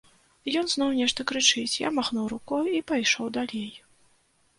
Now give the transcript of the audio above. Ён зноў нешта крычыць, я махнуў рукой і пайшоў далей.